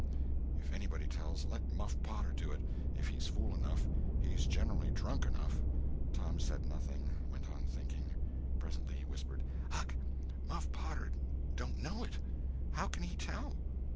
"If anybody tells, let Muff Potter do it, if he's fool enough. He's generally drunk enough." Tom said nothing—went on thinking. Presently he whispered: "Huck, Muff Potter don't know it. How can he tell?"